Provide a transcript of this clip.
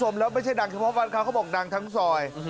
ไม่ใช่ดังเฉพาะบ้านวันคร้าวเขาบอกดังทั้งสอย